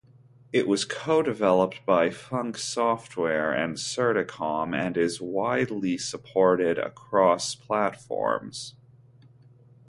It was co-developed by Funk Software and Certicom and is widely supported across platforms.